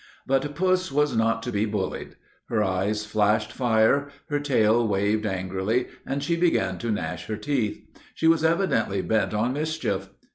But puss was not to be bullied. Her eyes flashed fire, her tail waved angrily, and she began to gnash her teeth. She was evidently bent on mischief.